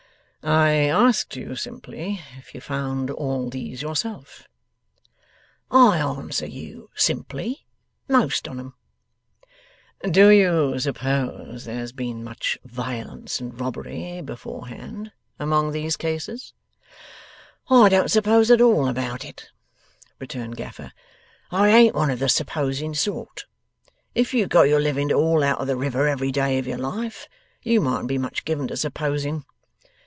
'I asked you, simply, if you found all these yourself?' 'I answer you, simply, most on 'em.' 'Do you suppose there has been much violence and robbery, beforehand, among these cases?' 'I don't suppose at all about it,' returned Gaffer. 'I ain't one of the supposing sort. If you'd got your living to haul out of the river every day of your life, you mightn't be much given to supposing.